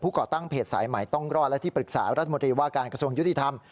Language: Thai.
ก่อตั้งเพจสายใหม่ต้องรอดและที่ปรึกษารัฐมนตรีว่าการกระทรวงยุติธรรม